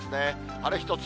晴れ一つ。